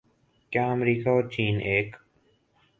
کیا امریکہ اور چین ایک